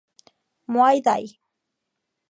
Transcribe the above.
Muay Thai.